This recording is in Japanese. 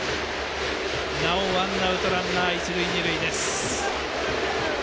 なおワンアウトランナー、一塁二塁です。